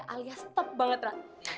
alias tep banget ra